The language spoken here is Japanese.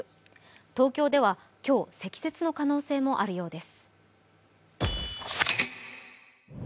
東京では今日、積雪の可能性もあるようです。